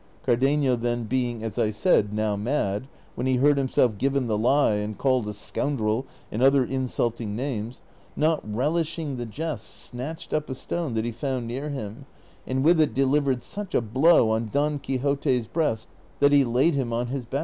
Cardenio, then, being, as I said, now mad, when he heard himself given the lie, and called a scoundrel and other insulting names, not relishing the jest, snatched up a stone that he found near him, and with it delivered such a blow on Don Quixote's breast that he laid him on his back.